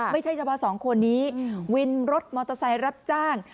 ไม่ใช่เฉพาะสองคนนี้วินรถมอเตอร์ไซค์รับจ้าง